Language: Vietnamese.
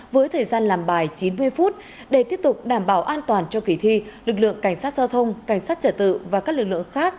với thời gian làm bài chín mươi phút để tiếp tục đảm bảo an toàn cho kỳ thi lực lượng cảnh sát giao thông cảnh sát trợ tự và các lực lượng khác